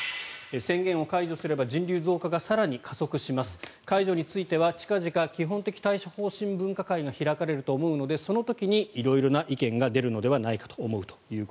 宣言を解除すれば人流増加が更に加速します解除については近々、基本的対処方針分科会が開かれると思うのでその時に色々な意見が出るのではないかと思うと。